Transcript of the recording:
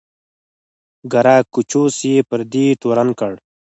ګراکچوس یې پر دې تورن کړ.